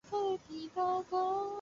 我曾经拥有过